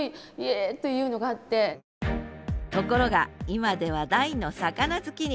ところが今では大の魚好きに。